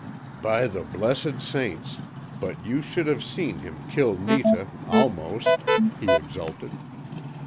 "By the Blessed Saints, but you should have seen him kill Netah almost," he exulted.